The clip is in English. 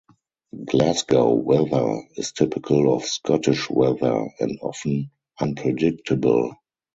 Glasgow weather is typical of Scottish weather and often unpredictable.